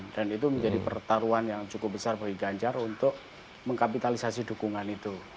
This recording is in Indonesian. dan itu menjadi pertarungan yang cukup besar bagi ganjar untuk mengkapitalisasi dukungan itu